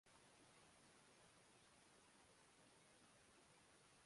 পৃথিবীর উপর সূর্যের বিশাল প্রভাব সেই প্রাগৈতিহাসিক কাল থেকেই মানুষ অনুধাবন করে আসছে।